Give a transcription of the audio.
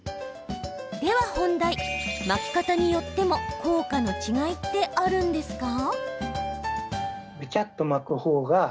では本題、巻き方によっても効果の違いってあるんですか？